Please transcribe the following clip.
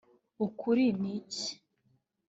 “Ukuri ni iki